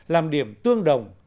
làm điểm tương đồng